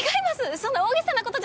そんな大げさなことじゃなくて。